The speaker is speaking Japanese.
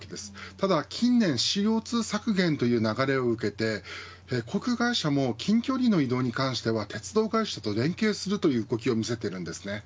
ただ近年ＣＯ２削減という流れを受けて航空会社も近距離の利用については鉄道会社と連携する動きを見せています。